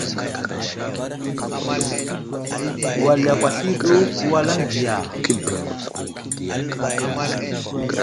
Wal yakw asliyo ɗu kəwalaŋ diya !